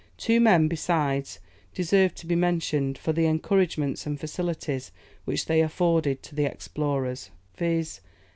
Two men, besides, deserve to be mentioned for the encouragements and facilities which they afforded to the explorers, viz.